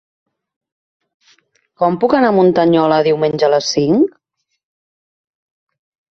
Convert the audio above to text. Com puc anar a Muntanyola diumenge a les cinc?